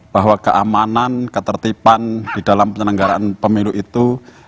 bahwa keamanan ketertiban di dalam penyelenggaraan pemilu itu